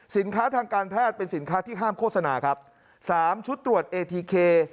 ทางการแพทย์เป็นสินค้าที่ห้ามโฆษณาครับสามชุดตรวจเอทีเค